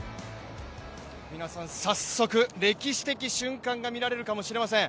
皆さん早速、歴史的瞬間が見られるかもしれません。